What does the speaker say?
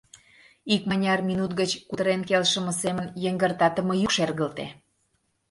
Икмыняр минут гыч кутырен келшыме семын йыҥгыртатыме йӱк шергылте.